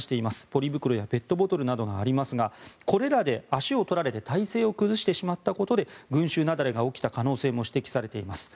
ポリ袋やペットボトルなどがありますがこれらで足を取られて体勢を崩してしまったことで群衆雪崩が起きた可能性も指摘されています。